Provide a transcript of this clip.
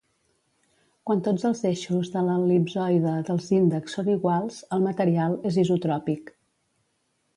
Quan tots els eixos de l'el·lipsoide dels índexs són iguals, el material és isotròpic.